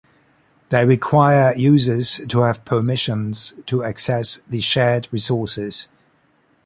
They require users to have permissions to access the shared resources.